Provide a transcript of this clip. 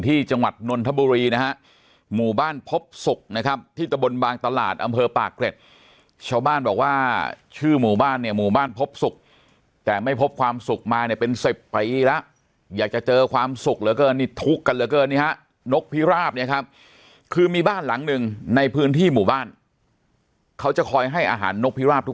จังหวัดนนทบุรีนะฮะหมู่บ้านพบศุกร์นะครับที่ตะบนบางตลาดอำเภอปากเกร็ดชาวบ้านบอกว่าชื่อหมู่บ้านเนี่ยหมู่บ้านพบศุกร์แต่ไม่พบความสุขมาเนี่ยเป็นสิบปีแล้วอยากจะเจอความสุขเหลือเกินนี่ทุกข์กันเหลือเกินนี่ฮะนกพิราบเนี่ยครับคือมีบ้านหลังหนึ่งในพื้นที่หมู่บ้านเขาจะคอยให้อาหารนกพิราบทุก